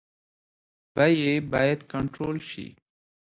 بیې باید کنټرول شي.